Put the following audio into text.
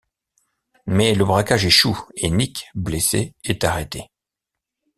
Mais le braquage échoue et Nick, blessé, est arrêté.